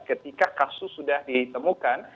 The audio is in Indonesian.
ketika kasus sudah ditemukan